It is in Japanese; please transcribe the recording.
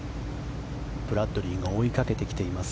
ブラッドリーが追いかけてきています。